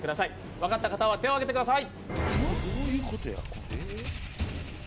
分かった方は手を挙げてください。